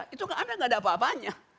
itu gak ada apa apanya